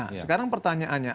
nah sekarang pertanyaannya